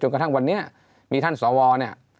กระทั่งวันนี้มีท่านสวเนี่ย